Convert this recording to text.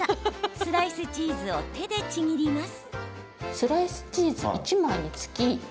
スライスチーズを手でちぎります。